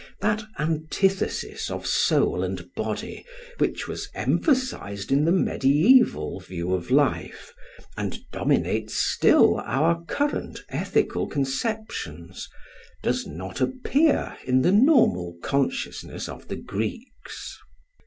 That antithesis of soul and body which was emphasised in the mediaeval view of life and dominates still our current ethical conceptions, does not appear in the normal consciousness of the Greeks.